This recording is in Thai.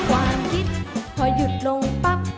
ความคิดพอหยุดลงปั๊บ